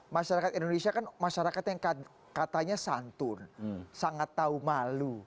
masyarakat indonesia kan masyarakat yang katanya santun sangat tahu malu